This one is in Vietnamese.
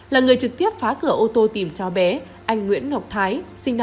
là người trực tiếp phá cửa ô tô tìm cho bé anh nguyễn ngọc thái